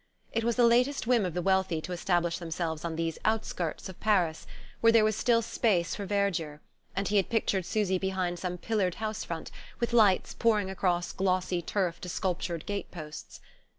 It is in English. It was the latest whim of the wealthy to establish themselves on these outskirts of Paris, where there was still space for verdure; and he had pictured Susy behind some pillared house front, with lights pouring across glossy turf to sculptured gateposts.